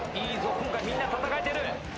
今回みんな戦えてる。